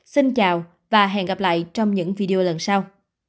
xin chào và hẹn gặp lại trong những video lần sau